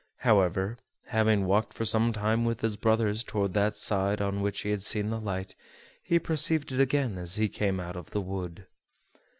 However, having walked for some time with his brothers toward that side on which he had seen the light, he perceived it again as he came out of the wood.